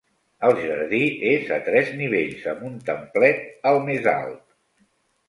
El jardí és a tres nivells, amb un templet al més alt.